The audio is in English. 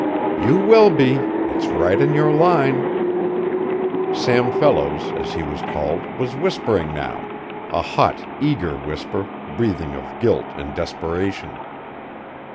"You will be. It's right in your line." Sam Fellows, as he was called, was whispering now a hot, eager whisper, breathing of guilt and desperation.